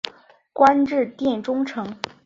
官至殿中丞。